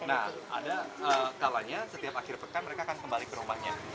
nah ada kalanya setiap akhir pekan mereka akan kembali ke rumahnya